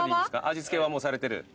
味付けはもうされてる？